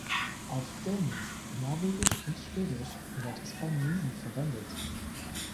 Auf Dänisch, Norwegisch und Schwedisch wird es beim Niesen verwendet.